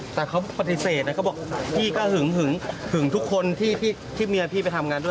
แต่เขาปฏิเสธนะเขาบอกพี่ก็หึงหึงทุกคนที่เมียพี่ไปทำงานด้วย